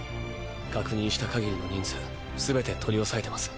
確認した限りの人数全て取り押さえてます。